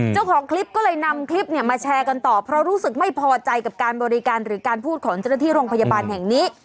เจ้าของคลิปก็เลยนำคลิปเนี่ยมาแชร์กันต่อเพราะรู้สึกไม่พอใจกับการบริการหรือการพูดของเจ้าหน้าที่โรงพยาบาลแห่งนี้